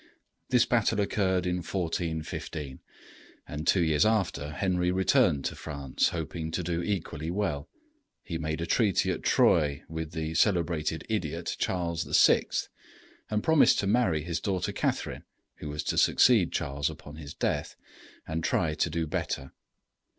This battle occurred in 1415, and two years after Henry returned to France, hoping to do equally well. He made a treaty at Troyes with the celebrated idiot Charles VI., and promised to marry his daughter Catherine, who was to succeed Charles upon his death, and try to do better.